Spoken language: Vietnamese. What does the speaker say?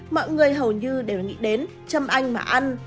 mọi người hầu như đều nghĩ đến châm anh mà ăn